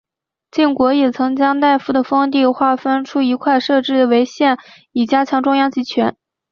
晋国也曾将大夫的封地划分出一块设置为县以加强中央集权。